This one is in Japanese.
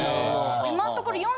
今のところ。